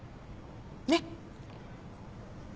ねっ。